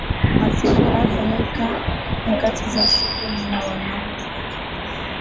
Mazishi yanayofanyika nyakati za usiku ni ya wanaume pekee